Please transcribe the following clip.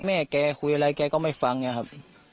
แม่แกคุยอะไรแกก็ไม่ฟังนะครับ